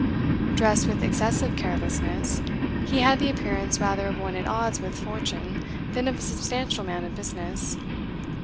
Dressed with excessive carelessness, he had the appearance rather of one at odds with fortune than of a substantial man of business.